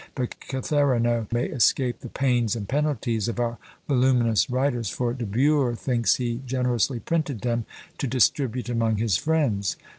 But Catherinot may escape "the pains and penalties" of our voluminous writers, for De Bure thinks he generously printed them to distribute among his friends.